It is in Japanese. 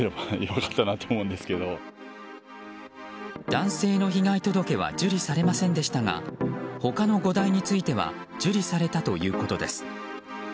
男性の被害届は受理されませんでしたが他の５台については受理されたということです。